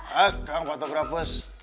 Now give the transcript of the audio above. hah kang fotografer